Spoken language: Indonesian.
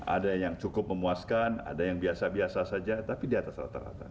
ada yang cukup memuaskan ada yang biasa biasa saja tapi di atas rata rata